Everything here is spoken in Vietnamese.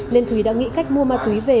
nên thúy đã nghĩ cách mua ma túy về